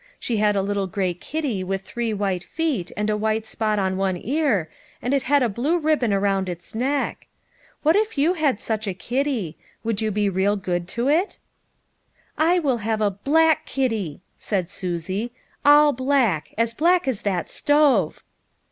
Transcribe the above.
She had a little gray kitty with three white feet, and a white spot on one ear, and it had a blue ribbon around its neck. "What if you had such a kitty. Would you be real good to it V "" I will have a black kitty," said Susie, " all black; as black as that stove."